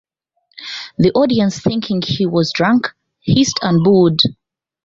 The audience, thinking he was drunk, hissed and booed.